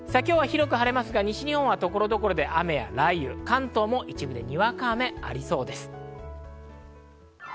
広く晴れますが、西日本は所々で雨や雷雨、関東も一部でにわか雨がありそうです。